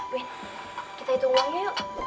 win kita hitung uangnya yuk